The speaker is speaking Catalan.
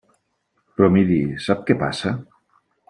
Però, miri, sap què passa?